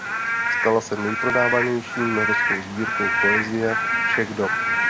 Stala se nejprodávanější norskou sbírkou poezie všech dob.